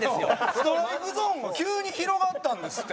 ストライクゾーンが急に広がったんですって。